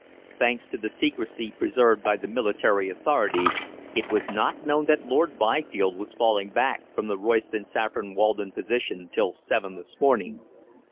"Thanks to the secrecy preserved by the military authorities, it was not known that Lord Byfield was falling back from the Royston Saffron Walden position till seven this morning.